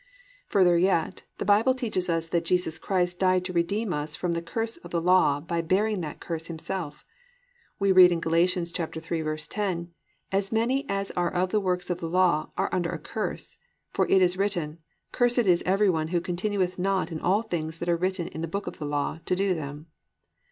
5. Further yet, the Bible teaches us that Jesus Christ died to redeem us from the curse of the law by bearing that curse Himself. We read in Gal. 3:10, +"As many as are of the works of the law are under a curse, for it is written: Cursed is every one who continueth not in all things that are written in the Book of the Law, to do them."